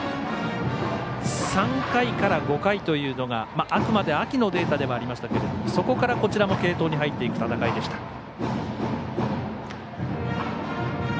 ３回から５回というのがあくまで秋のデータではありましたけれどもそこから、こちらも継投に入っていく戦いでした。